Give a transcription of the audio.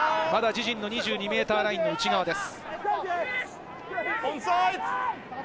自陣の２２ｍラインの内側です。